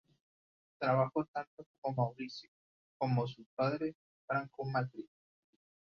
Trabajó tanto con Mauricio, como con su padre Franco Macri.